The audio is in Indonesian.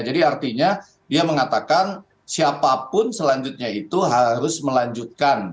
artinya dia mengatakan siapapun selanjutnya itu harus melanjutkan